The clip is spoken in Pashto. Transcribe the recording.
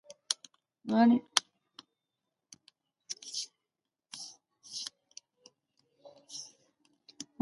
غڼې جال جوړوي.